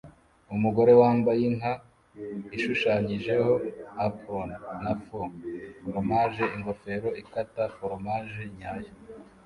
Umugore wambaye inka ishushanyijeho apron na faux foromaje ingofero ikata foromaje nyayo